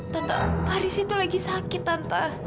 tante pak haris itu lagi sakit tante